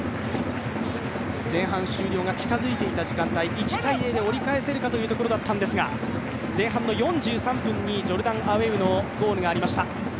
前半終了が近づいていた時間帯１−０で折り返せるかというところだったんですが前半４３分、ジョルダン・アイェウのゴールがありました。